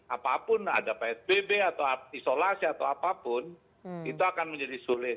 apapun ada psbb atau isolasi atau apapun itu akan menjadi sulit